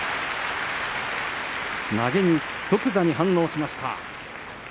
投げに即座に反応しました。